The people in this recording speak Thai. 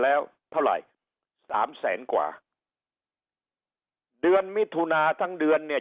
แล้วเท่าไหร่สามแสนกว่าเดือนมิถุนาทั้งเดือนเนี่ย